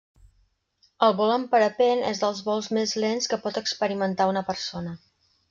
El vol amb parapent és dels vols més lents que pot experimentar una persona.